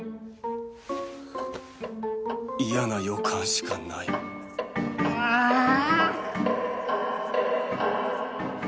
嫌な予感しかないああーっ！